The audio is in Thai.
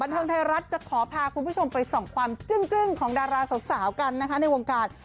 เทิงไทยรัฐจะขอพาคุณผู้ชมไปส่องความจึ้งของดาราสาวกันนะคะในวงการ